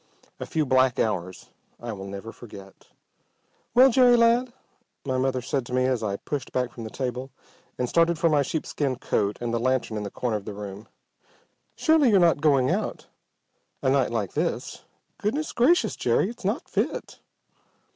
A few black hours I will never forget. "Well, Jerry, lad!" my mother said to me as I pushed back from the table and started for my sheepskin coat and the lantern in the corner of the room. "Surely you're not going out a night like this? Goodness gracious, Jerry, it's not fit!"